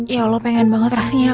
ya allah pengen banget rasanya